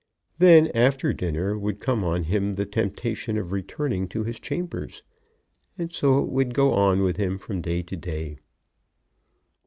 Then, after dinner, would come on him the temptation of returning to his chambers, and so it would go on with him from day to day.